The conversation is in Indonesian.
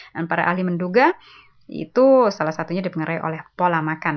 dan para ahli menduga itu salah satunya dipengaruhi oleh pola makan